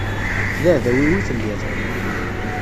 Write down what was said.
D aεdaw-iw i telliḍ.